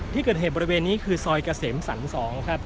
ที่เกิดเหตุบริเวณนี้คือซอยเกษมสรร๒ครับ